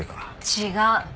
違う。